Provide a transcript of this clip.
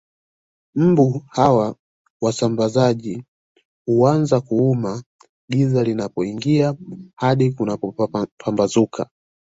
Mbu hawa wasambazaji huanza kuuma giza linapoingia hadi kunapopambazuka